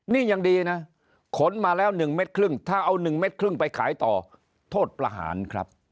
นี่ยังดีนะขนมาแล้ว๑เม็ดครึ่งถ้าเอา๑เม็ดครึ่งไปขายต่อโทษประหารครับ